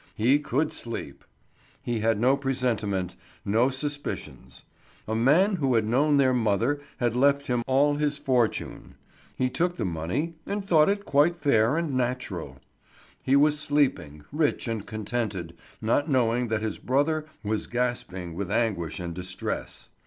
He could sleep! He had no presentiment, no suspicions! A man who had known their mother had left him all his fortune; he took the money and thought it quite fair and natural! He was sleeping, rich and contented, not knowing that his brother was gasping with anguish and distress.